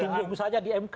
tunggu tunggu saja di mk